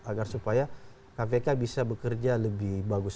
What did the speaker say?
agar supaya kpk bisa bekerja lebih bagus